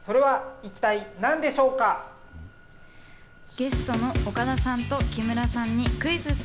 ゲストの岡田さんと木村さんにクイズッス！